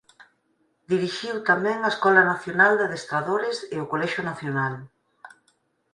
Dirixiu tamén a Escola Nacional de Adestradores e o Colexio Nacional.